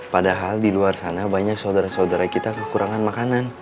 padahal di luar sana banyak saudara saudara kita kekurangan makanan